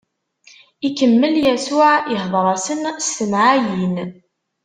Ikemmel Yasuɛ ihdeṛ-asen s temɛayin.